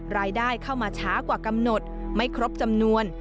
รายได้เข้ามาช้ากว่ากำหนดไม่ครบจำนวน